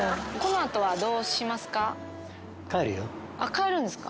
帰るんですか？